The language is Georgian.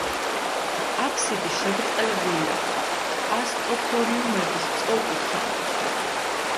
აფსიდი შებრტყელებულია, პასტოფორიუმები სწორკუთხა.